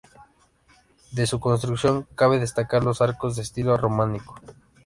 De su construcción cabe destacar los arcos de estilo románico.